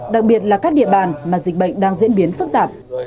đặc biệt là các địa bàn mà dịch bệnh đang diễn biến phức tạp